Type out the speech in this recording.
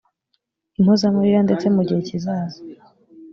impozamarira ndetse mu gihe kizaza